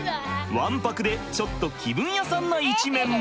ワンパクでちょっと気分屋さんな一面も。